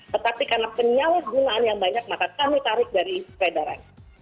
tetapi karena penyalahgunaan yang banyak maka kami tarik dari peredaran